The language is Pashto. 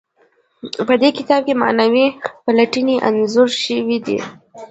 په دې کتاب کې معنوي پلټنې انځور شوي دي.